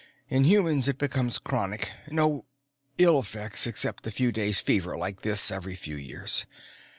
In humans it becomes chronic; no ill effects except a few days' fever like this every few years.